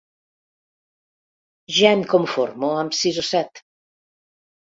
Ja em conformo amb sis o set.